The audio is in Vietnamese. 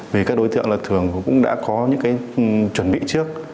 vì các đối tượng thường cũng đã có những chuẩn bị trước